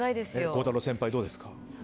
孝太郎先輩、どうですか？